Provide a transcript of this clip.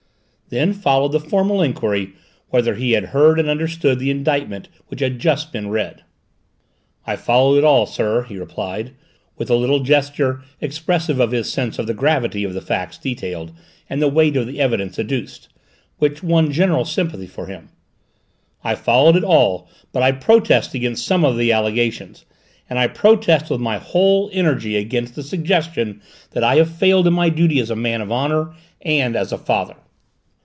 Then followed the formal enquiry whether he had heard and understood the indictment which had just been read. "I followed it all, sir," he replied, with a little gesture expressive of his sense of the gravity of the facts detailed and the weight of the evidence adduced, which won general sympathy for him. "I followed it all, but I protest against some of the allegations, and I protest with my whole energy against the suggestion that I have failed in my duty as a man of honour and as a father!"